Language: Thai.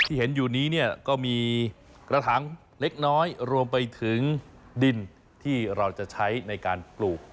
เห็นอยู่นี้เนี่ยก็มีกระถังเล็กน้อยรวมไปถึงดินที่เราจะใช้ในการปลูก